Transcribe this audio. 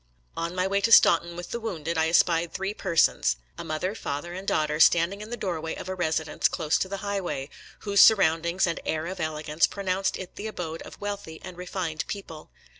On my way to Staunton with the wounded I espied three persons — a mother, father, and daughter — standing in the doorway of a resi dence plose to the highway, whose surroundings and air of elegance pronounced it the abode of wealthy and refined people.